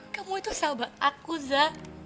kamu itu sahabat aku za